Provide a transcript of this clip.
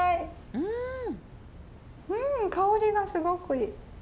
うん香りがすごくいい。